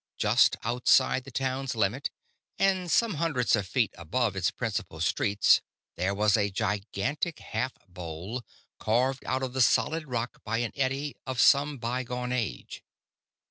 Just outside the town's limit and some hundreds of feet above its principal streets there was a gigantic half bowl, carved out of the solid rock by an eddy of some bye gone age.